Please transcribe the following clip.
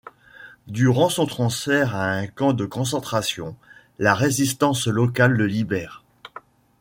Durant son transfert à un camp de concentration, la résistance locale le libère.